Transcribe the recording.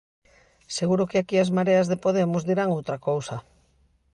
Seguro que aquí as Mareas de Podemos dirán outra cousa.